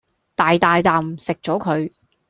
大大啖食左佢